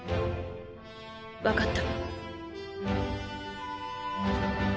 わかった。